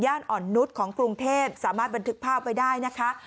อ่อนนุษย์ของกรุงเทพสามารถบันทึกภาพไว้ได้นะคะ